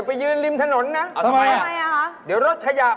ซื้ออันนี้ไปเลย